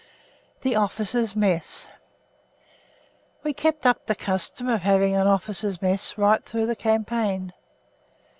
THE OFFICERS' MESS We kept up the custom of having an officers' mess right through the campaign.